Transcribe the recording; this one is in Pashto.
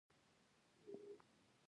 وطن زموږ د خلکو ګډ هویت دی.